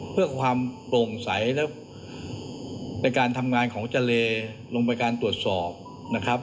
เพื่อความโปร่งใสและเป็นการทำงานของเจรลงไปการตรวจสอบนะครับ